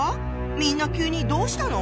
みんな急にどうしたの？